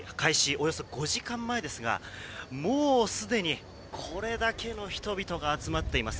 およそ５時間前ですがもうすでに、これだけの人々が集まっています。